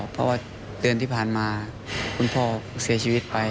เพราะว่าเดือนที่ผ่านมาคุณพ่อเสียชีวิตไป